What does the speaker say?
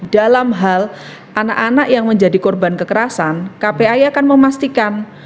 dalam hal anak anak yang menjadi korban kekerasan kpi akan memastikan